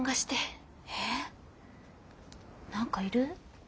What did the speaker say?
何かいる？